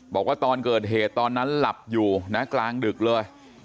บอกว่าตอนเกิดเหตุตอนนั้นหลับอยู่นะกลางดึกเลย